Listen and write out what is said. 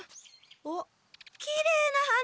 あっきれいな花！